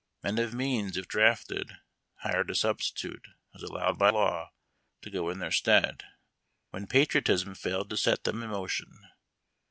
Men of means, if drafted, hired a substitute, as allowed by law, to go in their stead, when patriotism failed to set them in motion.